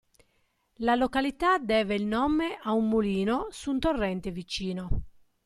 La località deve il nome ad un mulino su un torrente vicino.